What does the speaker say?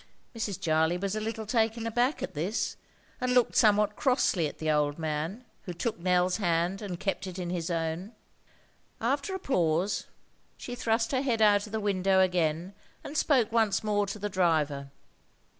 Mrs. Jarley was a little taken aback at this, and looked somewhat crossly at the old man, who took Nell's hand and kept it in his own. After a pause, she thrust her head out of the window again, and spoke once more to the driver.